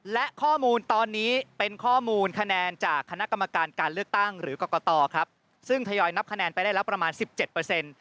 และข้อมูลตอนนี้เป็นข้อมูลคะแนนจากคณะกรรมการการเลือกตั้งหรือกรกตครับซึ่งทยอยนับคะแนนไปได้แล้วประมาณสิบเจ็ดเปอร์เซ็นต์